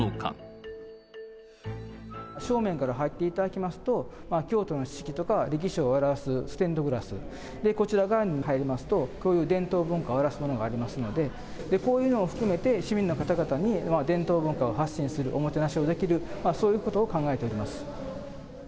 正面から入っていただきますと、京都の四季とか歴史を表すステンドグラス、こちら側に入りますと、伝統文化を表すものがありますので、こういうのを含めて、市民の方々に、伝統文化を発信する、おもてなしができる、そういうことを考えております。